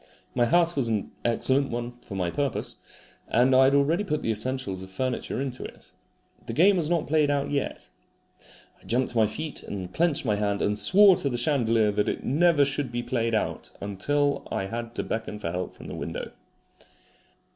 My house was an excellent one for my purpose, and I had already put the essentials of furniture into it. The game was not played out yet. I jumped to my feet and clenched my hand, and swore to the chandelier that it never should be played out until I had to beckon for help from the window.